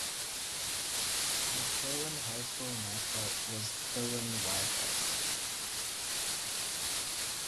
The Kirwin High School mascot was Kirwin Wildcats.